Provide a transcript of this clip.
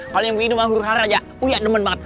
kalau yang minum akur hara aja uya demen banget